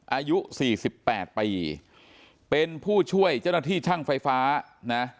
อายุสี่สิบแปดปีเป็นผู้ช่วยเจ้าหน้าที่ช่างไฟฟ้านะ